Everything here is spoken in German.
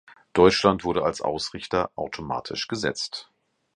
Deutschland wurde als Ausrichter automatisch gesetzt.